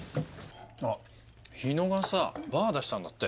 あっ日野がさバー出したんだって。